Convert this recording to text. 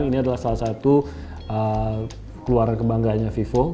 ini adalah salah satu keluaran kebanggaannya vivo